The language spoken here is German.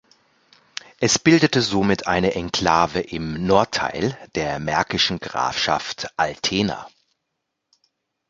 Es bildete somit eine Enklave im Nordteil der märkischen Grafschaft Altena.